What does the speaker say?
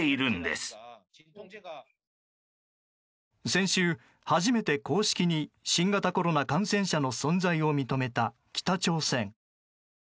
先週、初めて公式に新型コロナ感染者の存在を認めた北朝鮮。